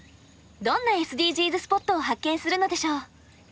どんなＳＤＧｓスポットを発見するのでしょう。